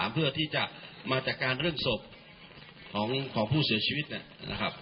เพื่อที่จะมาจัดการเรื่องศพของผู้เสียชีวิตนะครับ